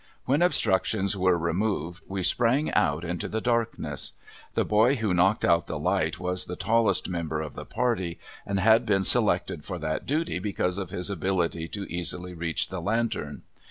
When obstructions were removed we sprang out into the darkness. The boy who knocked out the light was the tallest member of the party and had been selected for that duty because of his ability to easily reach the lantern.